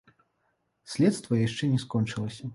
Следства яшчэ не скончылася.